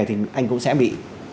thì anh cũng sẽ bị